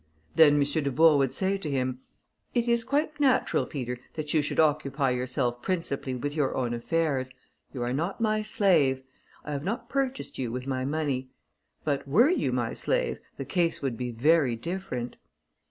Then M. Dubourg would say to him: "It is quite natural, Peter, that you should occupy yourself principally with your own affairs; you are not my slave; I have not purchased you with my money: but were you my slave, the case would be very different."